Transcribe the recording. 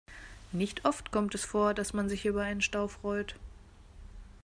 Nicht oft kommt es vor, dass man sich über einen Stau freut.